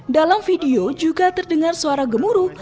dalam video juga terdengar suara gemuruh